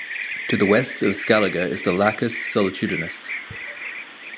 To the west of Scaliger is the Lacus Solitudinis.